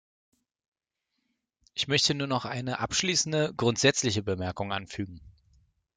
Ich möchte nur noch eine abschließende, grundsätzliche Bemerkung anfügen.